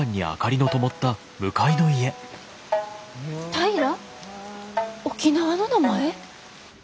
・・平良沖縄の名前！？